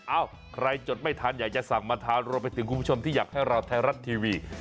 เอ้าใครจดไม่ทันอยากจะสั่งมาทานรวมไปถึงคุณผู้ชมที่อยากให้เราไทยรัฐทีวี